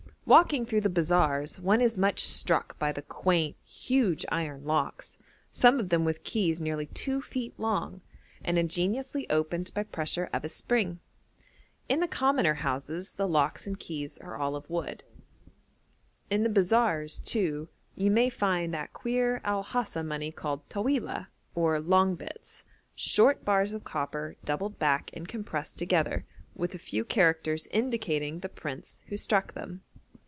Walking through the bazaars one is much struck by the quaint, huge iron locks, some of them with keys nearly two feet long, and ingeniously opened by pressure of a spring. In the commoner houses the locks and keys are all of wood. In the bazaars, too, you may find that queer El Hasa money called Tawilah, or 'long bits,' short bars of copper doubled back and compressed together, with a few characters indicating the prince who struck them.